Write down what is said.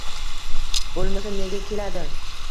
Bo`lmasa nega keladi